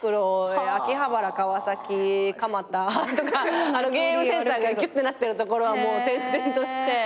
秋葉原川崎蒲田とかゲームセンターがぎゅっとなってる所転々として。